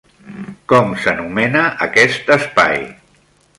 Com s'anomena aquest espai?